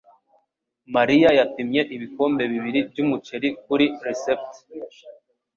Mariya yapimye ibikombe bibiri byumuceri kuri resept.